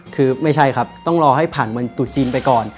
คือไม่ใช่ครับต้องรอให้ผ่านเมืองตุจีนไปก่อน